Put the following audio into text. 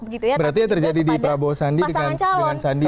berarti terjadi di prabowo sandi dengan pasangan calon